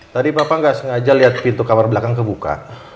tadi papa gak sengaja liat pintu kamar belakang kebuka